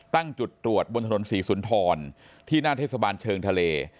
ตั้งจุดตรวจบนถนนศรีสุนทรที่หน้าเทศบาลเชิงทะเล